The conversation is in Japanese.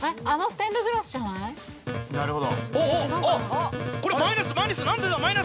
あのステンドグラスじゃない？